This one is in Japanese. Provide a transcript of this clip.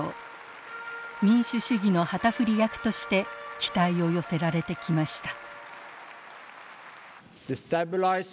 民主主義の旗振り役として期待を寄せられてきました。